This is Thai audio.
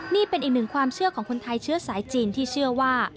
นี่เป็นอีกหนึ่งความเชื่อของคนไทยเชื้อสายจีนที่เชื่อว่า